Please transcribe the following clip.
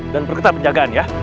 dan berketat penjagaan ya